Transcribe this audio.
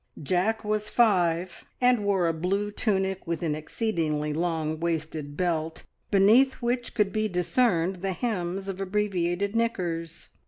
Jack was five, and wore a blue tunic with an exceedingly long waisted belt, beneath which could be discerned the hems of abbreviated knickers.